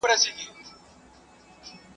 که وخت وي تکړښت کوم